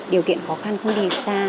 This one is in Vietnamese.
điều kiện khó khăn không đi xa